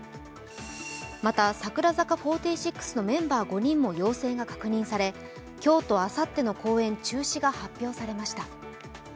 また、櫻坂４６のメンバー５人も陽性が確認され、今日とあさっての公演中止が発表されました。